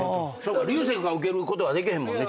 流星君は受けることはできへんもんね。